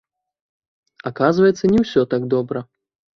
Аказваецца, не ўсё так добра.